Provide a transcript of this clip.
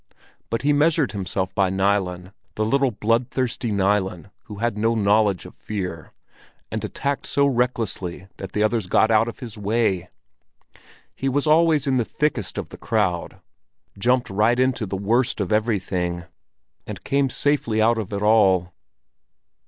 But he measured himself by Nilen —the little bloodthirsty Nilen, who had no knowledge of fear, and attacked so recklessly that the others got out of his way! He was always in the thickest of the crowd, jumped right into the worst of everything, and came safely out of it all.